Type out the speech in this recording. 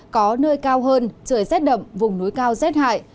có nơi cao hơn trời rét đậm vùng núi cao rét hại